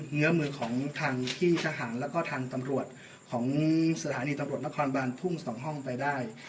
เงื้อมือของทางพี่ทหารแล้วก็ทางตำรวจของสถานีตำรวจนครบานทุ่ง๒ห้องไปได้